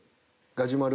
ガジュマル？